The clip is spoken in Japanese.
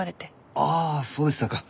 ああそうでしたか。